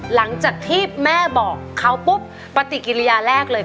หลังจากที่แม่บอกเขาปุ๊บปฏิกิริยาแรกเลย